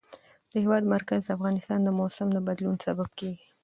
د هېواد مرکز د افغانستان د موسم د بدلون سبب کېږي.